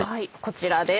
こちらです。